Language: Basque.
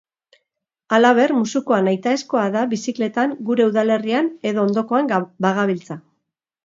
Halaber, musukoa nahitaezkoa da bizikletan gure udalerrian edo ondokoan bagabiltza.